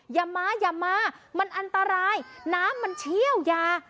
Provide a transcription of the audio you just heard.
อย่ามาอย่ามามันอันตรายน้ำมันเชี่ยวยา